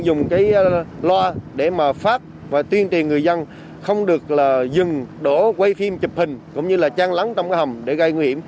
dùng cái loa để mà phát và tuyên truyền người dân không được là dừng đổ quay phim chụp hình cũng như là trang lắng trong cái hầm để gây nguy hiểm